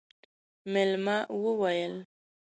مېلمه وويل: